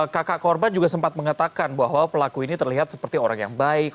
kakak korban juga sempat mengatakan bahwa pelaku ini terlihat seperti orang yang baik